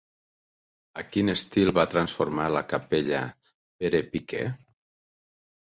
A quin estil va transformar la capella Pere Piquer?